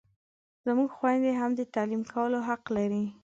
زموږ خویندې هم د تعلیم کولو حق لري!